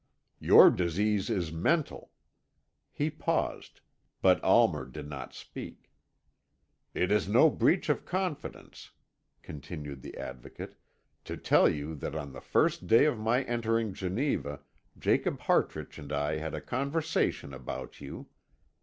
"Your disease is mental." He paused, but Almer did not speak. "It is no breach of confidence," continued the Advocate, "to tell you that on the first day of my entering Geneva, Jacob Hartrich and I had a conversation about you.